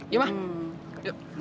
yuk mah yuk